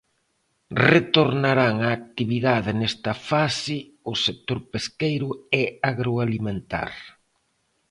Retornarán á actividade nesta fase o sector pesqueiro e agroalimentar.